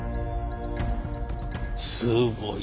すごい。